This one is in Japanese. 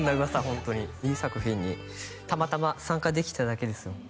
ホントにいい作品にたまたま参加できただけですよ